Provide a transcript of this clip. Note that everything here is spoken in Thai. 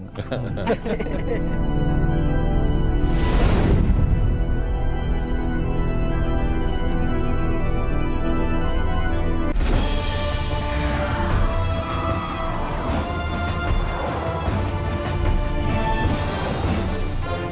โดยเฉพาะนายกบุญศี